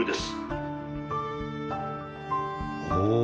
おお。